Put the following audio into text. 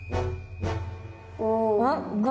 お！